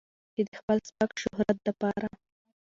چې د خپل سپک شهرت د پاره